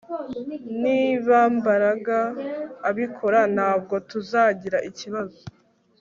Niba Mbaraga abikora ntabwo tuzagira ikibazo